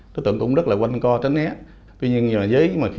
đối tượng cũng rất là quan trọng